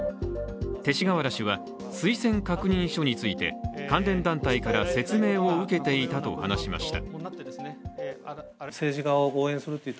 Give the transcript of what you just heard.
勅使河原氏は推薦確認書について関連団体から説明を受けていたと話しました。